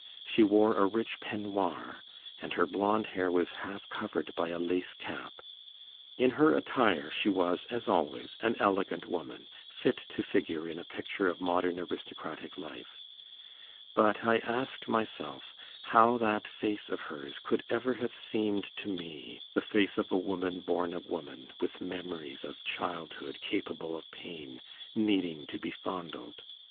She wore a rich peignoir, and her blond hair was half covered by a lace cap: in her attire she was, as always, an elegant woman, fit to figure in a picture of modern aristocratic life: but I asked myself how that face of hers could ever have seemed to me the face of a woman born of woman, with memories of childhood, capable of pain, needing to be fondled?